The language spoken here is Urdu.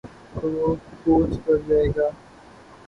تو وہ کوچ کر جائے گا۔